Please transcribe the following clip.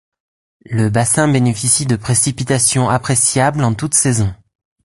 Le bassin bénéficie de précipitations appréciables en toutes saisons.